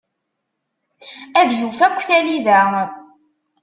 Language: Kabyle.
Ad yuf akk talida.